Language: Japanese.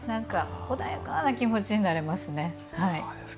穏やかな気持ちになれますね。